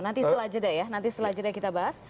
nanti setelah jeda ya nanti setelah jeda kita bahas